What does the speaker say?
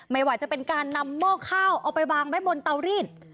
ไม่ว่าจะเป็นการนำหม้อข้าวเอาไปวางไว้บนเตารีด